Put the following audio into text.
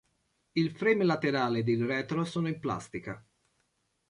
Il "frame" laterale ed il retro sono in plastica.